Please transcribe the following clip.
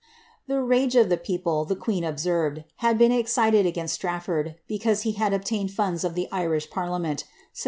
The rage of the people, the queen observed, had been excited against StnitTord because he had obtained funds of the Irish parliament, sufficient * Grander, vol.